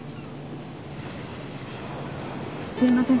すいません。